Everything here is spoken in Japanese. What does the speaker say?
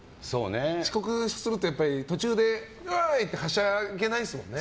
遅刻すると、途中でウェーイ！ってはしゃげないですもんね。